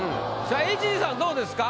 ＨＧさんどうですか？